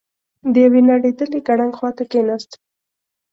د يوې نړېدلې ګړنګ خواته کېناست.